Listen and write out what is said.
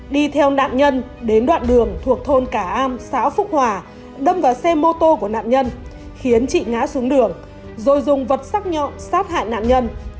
đi theo nạn nhân đến đoạn đường thuộc thôn cả am xã phúc hòa đâm vào xe mô tô của nạn nhân khiến chị ngã xuống đường rồi dùng vật sắc nhọn sát hại nạn nhân